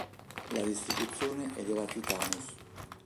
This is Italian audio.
La distribuzione è della Titanus.